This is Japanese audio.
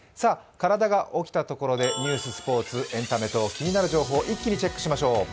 体が起きたところでニュース、スポーツ、エンタメと気になる情報を一気にチェックしましょう。